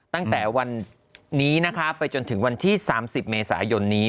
ตั้งแต่วันนี้นะคะไปจนถึงวันที่๓๐เมษายนนี้